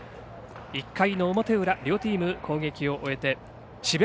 １回の表裏、両チーム攻撃を終えて智弁